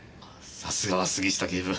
さすがは杉下警部。